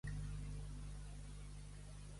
Tes que tes.